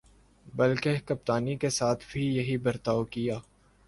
بلکہ کپتانی کے ساتھ بھی یہی برتاؤ کیا۔